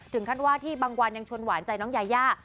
ถึงขั้นว่าที่บางวันยังชวนหวานใจน้องยายา